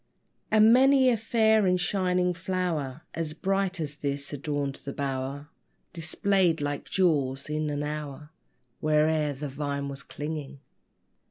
And many a fair and shining flower As bright as this adorned the bower, Displayed like jewels in an hour, Where'er the vine was clinging.